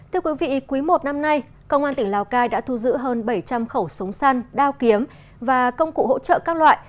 thưa quý vị quý một năm nay công an tỉnh lào cai đã thu giữ hơn bảy trăm linh khẩu súng săn đao kiếm và công cụ hỗ trợ các loại